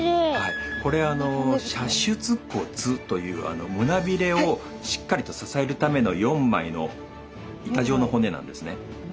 これ射出骨という胸びれをしっかりと支えるための４枚の板状の骨なんですね。